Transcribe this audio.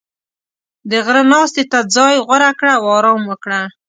• د غره ناستې ته ځای غوره کړه او آرام وکړه.